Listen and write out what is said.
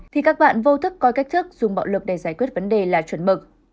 thì các bạn vô thức coi cách thức dùng bạo lực để giải quyết vấn đề là chuẩn mực